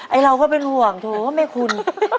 ไอ้เราก็เป็นห่วงถูกว่าไม่คุ้น